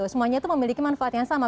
semuanya itu memiliki manfaat yang sama